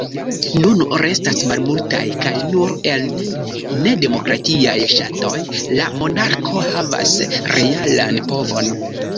Nun restas malmultaj, kaj nur en nedemokratiaj ŝatoj la monarko havas realan povon.